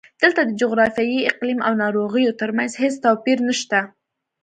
دلته د جغرافیې، اقلیم او ناروغیو ترمنځ هېڅ توپیر نشته.